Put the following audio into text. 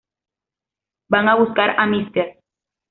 Van a buscar a Mr.